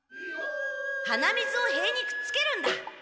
鼻水を塀にくっつけるんだ。